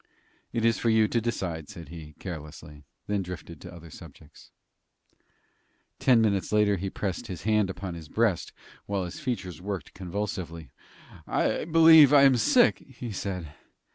"It is for you to decide," said he, carelessly, then drifted to other subjects. Ten minutes later he pressed his hand upon his breast, while his features worked convulsively. "I believe I am sick," he said.